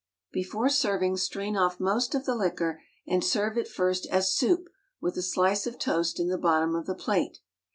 Before serving strain off most of the liquor and serve it first as soup with a slice of toast in the bottom of the plate.